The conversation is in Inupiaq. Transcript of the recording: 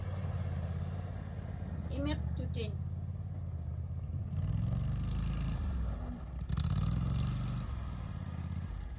Imiqtutin.